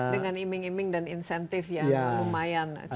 dengan iming iming dan insentif yang lumayan cukup